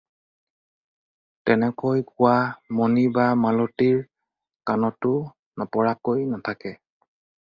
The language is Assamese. তেনেকৈ কোৱা মণি বা মালতীৰ কাণতো নপৰাকৈ নাথাকে।